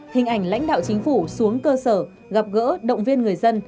hình ảnh lãnh đạo chính phủ xuống cơ sở gặp gỡ động viên người dân